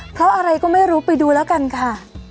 เพราะอะไรก็ไม่รู้ไปดูแล้วกันค่ะ